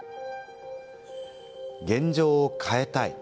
現状を変えたい。